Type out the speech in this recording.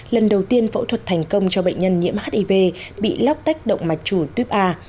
lần đầu tiên phẫu thuật thành công cho bệnh nhân nhiễm hiv bị lóc tách động mạch chủ tuyếp a